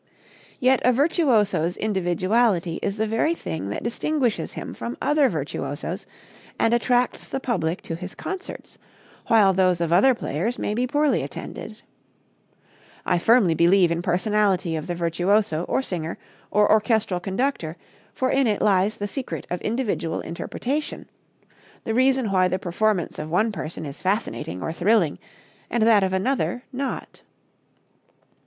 Yet a virtuoso's individuality is the very thing that distinguishes him from other virtuosos and attracts the public to his concerts, while those of other players may be poorly attended. I firmly believe in personality of the virtuoso or singer or orchestral conductor, for in it lies the secret of individual interpretation, the reason why the performance of one person is fascinating or thrilling and that of another not.